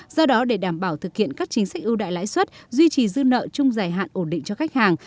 do đó để đảm bảo thực hiện các chính sách ưu đại lãi suất duy trì dư nợ chung dài hạn ổn định cho khách hàng